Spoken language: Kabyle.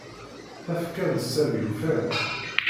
Tafekka n Sami ufan-tt.